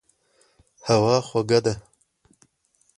هوا خوږه ده.